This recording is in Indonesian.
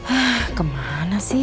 hah kemana sih